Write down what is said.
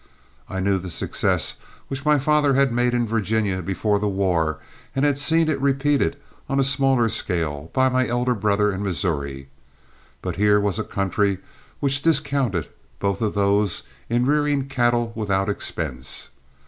I knew the success which my father had made in Virginia before the war and had seen it repeated on a smaller scale by my elder brother in Missouri, but here was a country which discounted both of those in rearing cattle without expense.